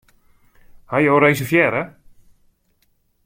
Hawwe jo reservearre?